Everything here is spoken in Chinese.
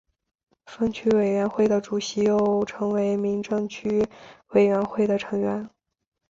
分区委员会的主席又成为民政区委员会的成员。